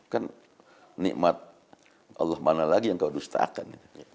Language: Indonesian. kan nikmat allah mana lagi yang kau dustakan